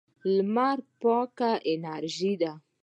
لمر پاکه انرژي ده.